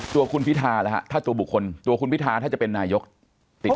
ตัวคุณพิทธาถ้าจะเป็นนายกดูพี่คน